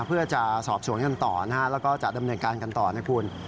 เพื่อจะสอบสวนกันต่อนะฮะแล้วก็จะดำเนินการกันต่อนะคุณ